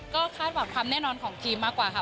ก็คาดหวังความแน่นอนของทีมมากกว่าค่ะ